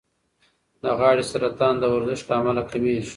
د غاړې سرطان د ورزش له امله کمېږي.